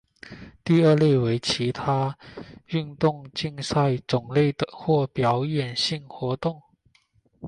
第二类为其他运动竞赛种类或表演性活动。